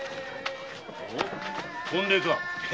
婚礼か？